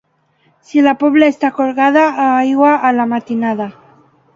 Si la Pobla està colgada, aigua a la matinada.